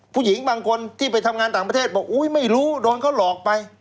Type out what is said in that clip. ผู้หญิงบางคนที่ไปทำงานต่างประเทศบอกอุ๊ยไม่รู้โดนเขาหลอกไป